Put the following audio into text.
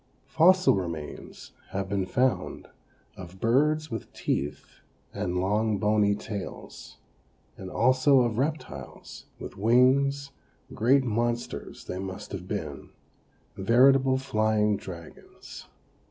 Fossil remains have been found of birds with teeth and long bony tails, and also of reptiles, with wings; great monsters they must have been veritable flying dragons.